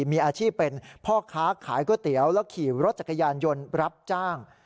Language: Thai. มีอาชีพเป็นพ่อค้าขายก๋วยเตี๋ยวแล้วขี่รถจักรยานยนต์รับจ้าง